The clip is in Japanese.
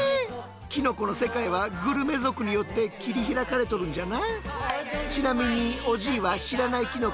キノコの世界はグルメ族によって切り開かれとるんじゃな。